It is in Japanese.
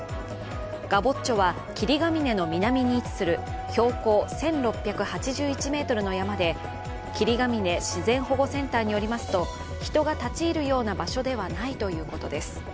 ガボッチョは霧ヶ峰の南に位置する標高１６８１ｍの山で霧ヶ峰自然保護センターによりますと人が立ち入るような場所ではないということです。